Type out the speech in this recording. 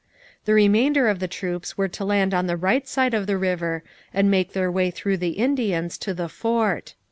The remainder of the troops were to land on the right side of the river and make their way through the Indians to the fort.